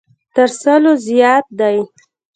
تر سلو زیات دی.